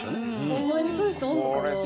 ホンマにそういう人おるのかな？